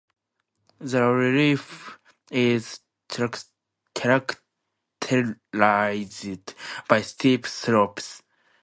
The relief is characterized by steep slopes.